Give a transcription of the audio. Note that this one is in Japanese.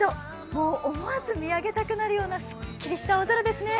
もう思わず見上げたくなるようなすっきりした青空ですね。